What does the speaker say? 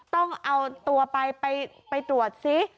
ต้องเอาตัวไปไปตรวจซิ